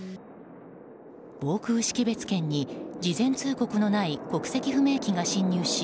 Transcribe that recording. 防空識別圏に事前通告のない国籍不明機が侵入し